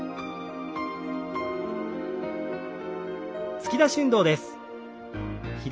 突き出し運動です。